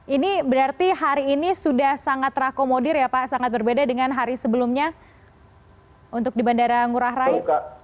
ini berarti hari ini sudah sangat terakomodir ya pak sangat berbeda dengan hari sebelumnya untuk di bandara ngurah rai